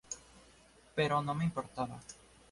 Pero no me importaba.